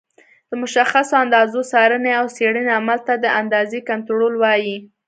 د مشخصو اندازو څارنې او څېړنې عمل ته د اندازې کنټرول وایي.